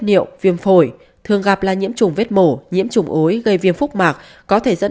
điệu viêm phổi thường gặp là nhiễm trùng vết mổ nhiễm trùng ối gây viêm phúc mạc có thể dẫn